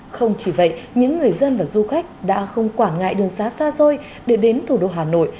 không chỉ vậy những người dân và du khách đã không quản ngại đường xá xa xôi để đến thủ đô hà nội